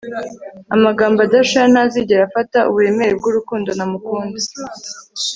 Amagambo adashira ntazigera afata uburemere bwurukundo namukunda